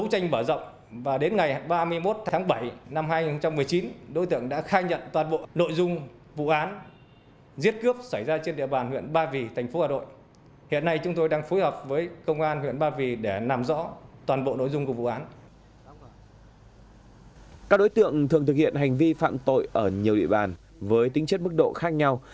các đối tượng thường thực hiện hành vi phạm tội ở nhiều địa bàn với tính chất mức độ khác nhau